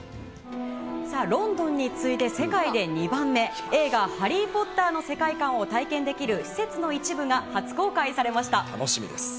ロンドンに次いで世界で２番目、映画、ハリー・ポッターの世界観を体験できる施設の一部が初公開されま楽しみです。